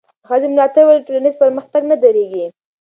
که ښځې ملاتړ ولري، ټولنیز پرمختګ نه درېږي.